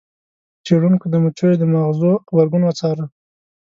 څیړونکو د مچیو د ماغزو غبرګون وڅاره.